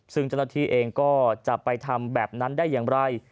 ซึ่งเจ้าหน้าที่เองก็จะไปทำแบบนั้นได้อย่างไร